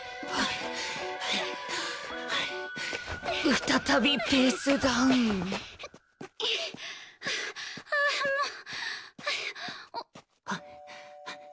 再びペースダウンああもう。